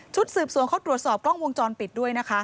สืบสวนเขาตรวจสอบกล้องวงจรปิดด้วยนะคะ